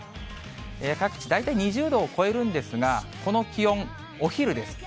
各地、大体２０度を超えるんですが、この気温、お昼です。